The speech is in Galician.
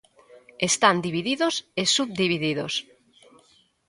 Están divididos e subdivididos.